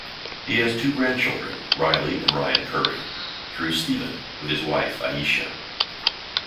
He has two grandchildren, Riley and Ryan Curry, through Stephen, with his wife Ayesha.